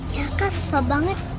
ya kak susah banget